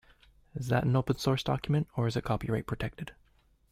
Is that an open source document, or is it copyright-protected?